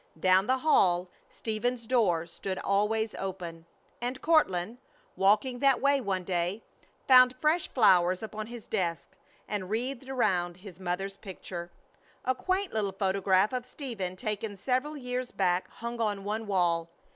Down the hall Stephen's door stood always open, and Courtland, walking that way one day, found fresh flowers upon his desk and wreathed around his mother's picture. A quaint little photograph of Stephen taken several years back hung on one wall.